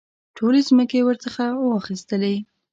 ټولې مځکې ورڅخه واخیستلې.